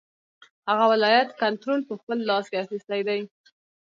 هغه ولایت کنټرول په خپل لاس کې اخیستی دی.